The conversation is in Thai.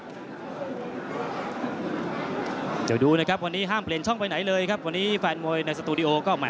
มีสุดยอดมวยไทยรัฐนะครับเจอกับยอดขุนพลวยินยกหรือว่าเป็นเจ้าถิ่นด้วยพี่ป่ะ